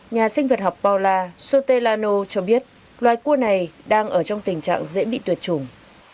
nhà sinh vật học paula sotelano cho biết loài cua này đang ở trong tình trạng dễ bị tuyệt trùng